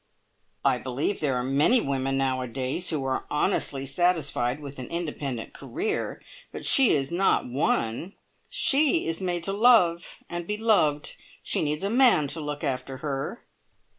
"I believe there are many women nowadays who are honestly satisfied with an independent career, but she is not one. She is made to love and be loved. She needs a man to look after her."